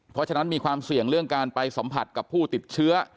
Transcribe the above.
เพราะฉะนั้นมีความเสี่ยงเรื่องการไปสัมผัสกับผู้ติดเชื้อ